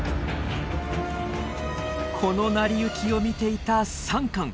この成り行きを見ていたサンカン。